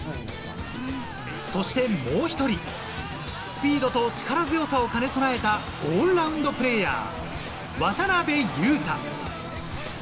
そしてもう１人、スピードと力強さを兼ね備えたオールラウンドプレーヤー・渡邊雄太。